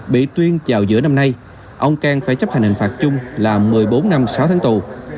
bị tuyên vào giữa năm nay ông cang phải chấp hành hình phạt chung là một mươi bốn năm sáu tháng tù